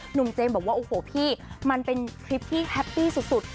เจมส์บอกว่าโอ้โหพี่มันเป็นคลิปที่แฮปปี้สุด